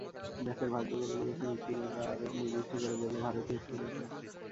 ম্যাচের ভাগ্য গড়ে দিয়েছেন স্পিনাররা, আরও নির্দিষ্ট করে বললে ভারতীয় স্পিনাররা।